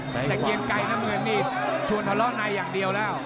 แต่เกียงไกรน้ำเงินนี่ชวนทะเลาะในอย่างเดียวแล้ว